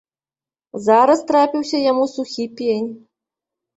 Зараз трапіўся яму сухі пень.